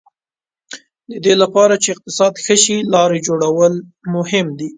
د دې لپاره چې اقتصاد ښه شي لارې جوړول مهم دي.